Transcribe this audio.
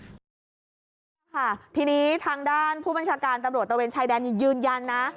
ค่ะทีนี้ทางด้านผู้บัญชาการตำรวจตะเวนชายแดนยืนยันนะ